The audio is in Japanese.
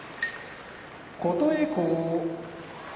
琴恵光